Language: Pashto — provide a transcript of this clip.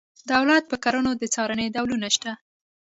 دولت په کړنو د څارنې ډولونه شته.